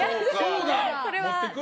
持ってく？